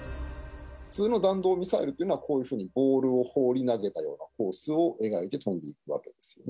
普通の弾道ミサイルというのは、こういうふうにボールを放り投げたようなコースを描いて飛んでいくわけですよね。